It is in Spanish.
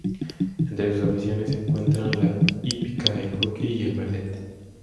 Entre sus aficiones se encuentran la hípica, el hockey y el ballet.